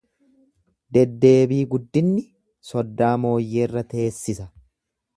Deddeebii guddinni soddaa mooyyeerra teessisa.